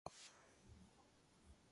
Limit theory helps in operational usage.